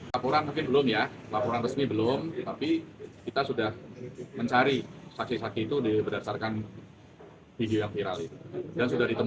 laporan mungkin belum ya laporan resmi belum